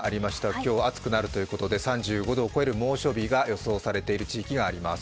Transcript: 今日は暑くなるということで３５度を超える猛暑日が予想されている地域があります。